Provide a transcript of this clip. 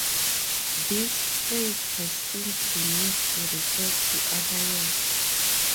This phrase has since been used to refer to other years.